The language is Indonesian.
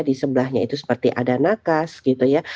di sebelahnya itu seperti ada nakas gitu ya